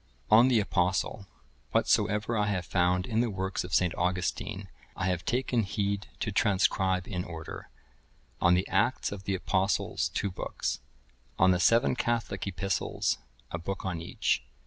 On the Apostle,(1049) whatsoever I have found in the works of St. Augustine I have taken heed to transcribe in order. On the Acts of the Apostles, two books. On the seven Catholic Epistles, a book on each.